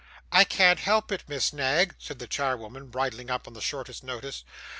'I can't help it, Miss Knag,' said the charwoman, bridling up on the shortest notice.